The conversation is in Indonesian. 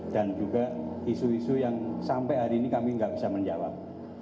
dan juga isu isu yang sampai hari ini kami nggak bisa menjawab